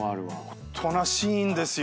おとなしいんですよ。